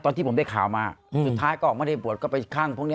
แต่ผมได้ข่าวมาสุดท้ายก็ออกมาที่บทก็ไปใคร้งพวกนี้